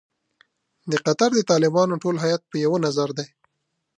د قطر د طالبانو ټول هیات په یوه نظر دی.